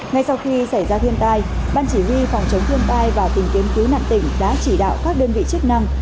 ngay sau khi xảy ra thiên tai ban chỉ huy phòng chống thiên tai và tỉnh kiến cứu nặng tỉnh đã chỉ đạo các đơn vị chức năng